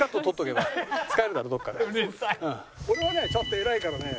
俺はねちゃんと偉いからね